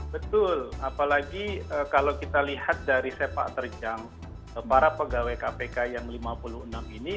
betul apalagi kalau kita lihat dari sepak terjang para pegawai kpk yang lima puluh enam ini